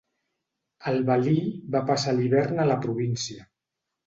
El valí va passar l'hivern a la província.